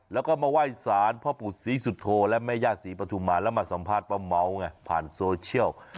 แล้วก็มาไหว้สารพ่อปู่ศรีสุโธและแม่ย่าศรีปฐุมมาแล้วมาสัมภาษณ์ป้าเม้าไงผ่านโซเชียล